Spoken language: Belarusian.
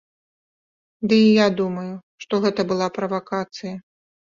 Ды і я думаю, што гэта была правакацыя.